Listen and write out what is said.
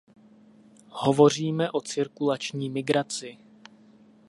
Hovoříme o cirkulační migraci.